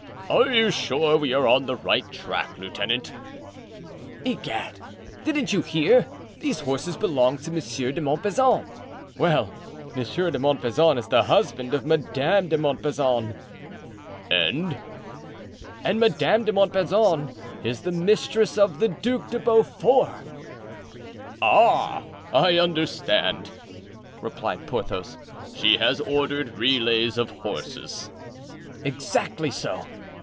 "Are you sure we are on the right track, lieutenant?" "Egad, didn't you hear? these horses belong to Monsieur de Montbazon; well, Monsieur de Montbazon is the husband of Madame de Montbazon——" "And——" "And Madame de Montbazon is the mistress of the Duc de Beaufort." "Ah! I understand," replied Porthos; "she has ordered relays of horses." "Exactly so."